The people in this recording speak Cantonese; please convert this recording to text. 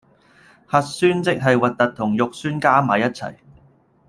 核酸即係核突同肉酸加埋一齊